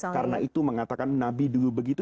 karena itu mengatakan nabi dulu begitu